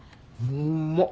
うんまっ！